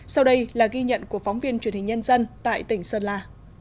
sau đây là ghi nhận của phóng viên truyền hình nhân dân tại tỉnh sơn la